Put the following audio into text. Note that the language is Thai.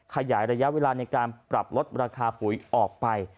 ขยายระยะเวลาในการปรับลดราคาปุ๋ยออกไป